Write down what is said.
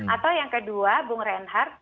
atau yang kedua bung reinhardt